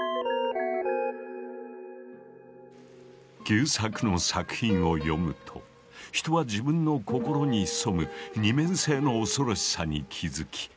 久作の作品を読むと人は自分の心に潜む二面性の恐ろしさに気付き